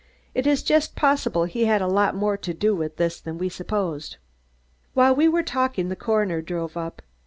It is just possible he had a lot more to do with this than we supposed." While we were talking the coroner drove up.